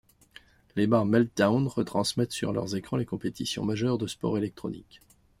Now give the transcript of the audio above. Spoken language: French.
Les bars Meltdown retransmettent sur leurs écrans les compétitions majeures de sport électronique.